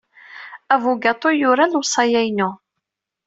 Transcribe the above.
Abugaṭu yura lewṣaya-inu.